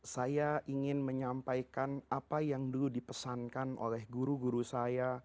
saya ingin menyampaikan apa yang dulu dipesankan oleh guru guru saya